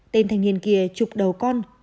tên thanh niên kia chụp đầu con